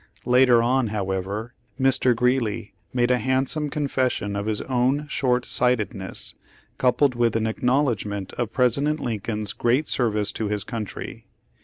Later on, however, Mr. Greeley made a handsome confession of his own short sightedness, coupled with an acknowledgement of President Lincoln's great service to his country.